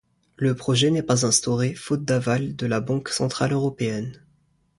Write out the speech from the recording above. Le projet n'est pas instauré faute d'aval de la Banque centrale européenne.